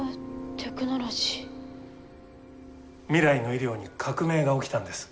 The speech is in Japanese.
未来の医療に革命が起きたんです。